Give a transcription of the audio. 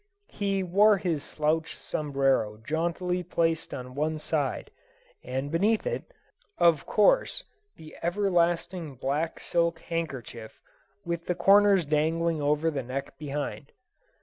He wore his slouched sombrero jauntily placed on one side, and beneath it, of course, the everlasting black silk handkerchief, with the corners dangling over the neck behind.